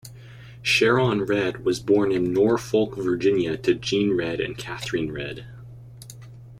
Sharon Redd was born in Norfolk, Virginia to Gene Redd and Katherine Redd.